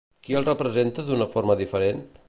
Qui el representa d'una forma diferent?